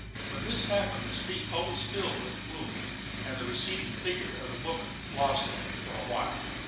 When this happened, the street was always filled with gloom, and the receding figure of the woman lost in it for a while.